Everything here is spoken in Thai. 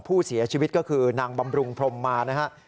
ผู้เสียชีวิตก็คือนางบำรุงพรมมานะครับ